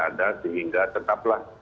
ada sehingga tetaplah